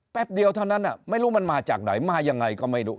เดียวเท่านั้นไม่รู้มันมาจากไหนมายังไงก็ไม่รู้